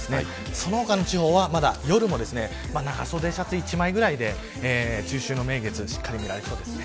その他の地方は夜も長袖シャツ１枚ぐらいで中秋の名月しっかり見られそうです。